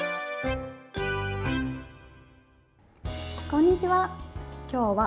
こんにちは。